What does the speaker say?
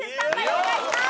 お願いします。